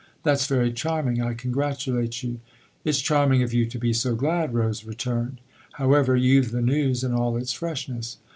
" That's very charming I congratu late you." " It's charming of you to be so glad," Rose returned. " However, you've the news in all its freshness."